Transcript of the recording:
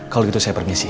kalau gitu saya permisi